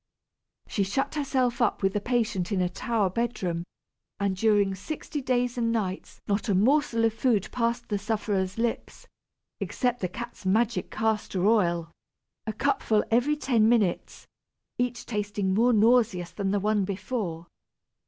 She shut herself up with the patient in a tower bedroom, and during sixty days and nights not a morsel of food passed the sufferer's lips, except the cat's magic castor oil a cupful every ten minutes each tasting more nauseous than the one before!